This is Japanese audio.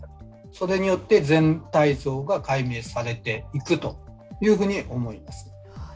それによって全体像が解明されていくと思います。